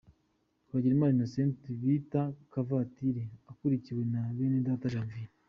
Twagirimana Innocent bita Kavatiri akurikiwe na Benedata Janvier.